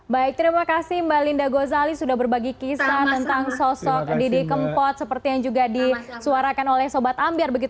baik terima kasih mbak linda gozali sudah berbagi kisah tentang sosok didi kempot seperti yang juga disuarakan oleh sobat ambiar